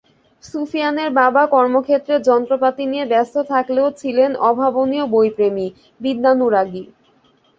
সুফিয়ানের বাবা কর্মক্ষেত্রে যন্ত্রপাতি নিয়ে ব্যস্ত থাকলেও ছিলেন অভাবনীয় বইপ্রেমী, বিদ্যানুরাগী।